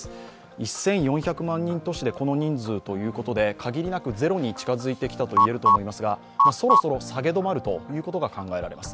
１４００万人都市でこの人数ということで、限りなくゼロに近づいてきたと言えると思いますが、そろそろ下げ止まるということが考えられます。